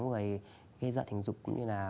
người gây sợ tình dục cũng như là